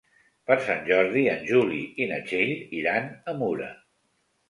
Per Sant Jordi en Juli i na Txell iran a Mura.